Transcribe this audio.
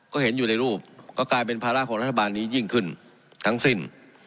ก็เห็นอยู่ในรูปก็กลายเป็นภาระของรัฐบาลนี้ยิ่งขึ้นทั้งสิ้น